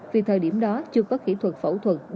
vì thời điểm đó chưa có kỹ thuật phẫu thuật